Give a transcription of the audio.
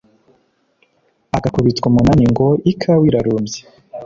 Agakubitwa umunaniNgo ikawa irarumbye,